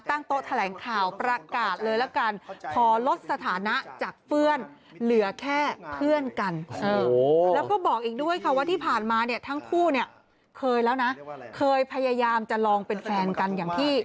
ทำให้เมื่อวานทางนุ๊กแล้วก็ป้าย